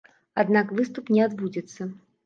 Аднак выступ не адбудзецца.